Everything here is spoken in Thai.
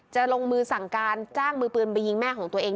จะลงมือสั่งการจ้างมือปืนไปยิงแม่ของตัวเอง